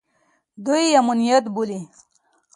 دوى يې امنيت بولي.